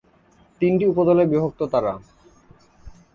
তিনটি উপদলে বিভক্ত তারা।